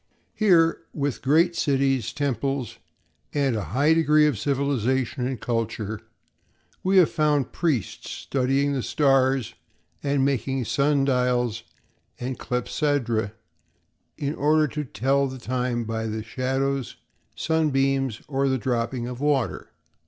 Here, with great cities, temples, and a high degree of civilization and culture, we have found priests studying the stars and making sun dials and clepsydræ in order to tell the time by shadows, sunbeams, or the dropping of water.